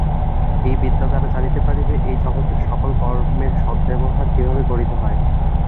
এই বিদ্যা দ্বারা জানিতে পারিবে, এই জগতের সকল কর্মের সদ্ব্যবহার কিভাবে করিতে হয়।